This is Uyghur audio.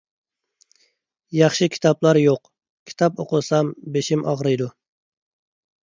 ياخشى كىتابلار يوق، كىتاب ئوقۇسام بېشىم ئاغرىيدۇ.